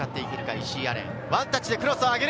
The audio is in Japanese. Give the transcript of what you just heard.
石井亜錬、ワンタッチでクロスを上げる。